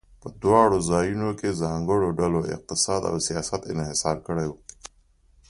په دواړو ځایونو کې ځانګړو ډلو اقتصاد او سیاست انحصار کړی و.